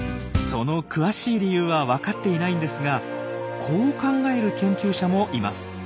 その詳しい理由はわかっていないんですがこう考える研究者もいます。